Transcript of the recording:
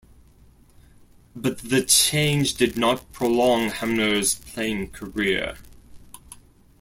But the change did not prolong Hamner's playing career.